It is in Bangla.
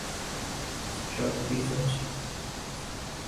সব ঠিক আছে।